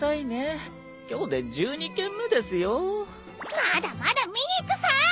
まだまだ見に行くさ！